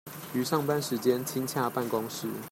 於上班時間親洽辦公室